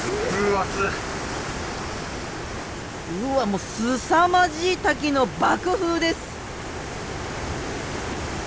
もうすさまじい滝の爆風です！